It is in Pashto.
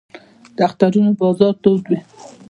د اخترونو بازار تود وي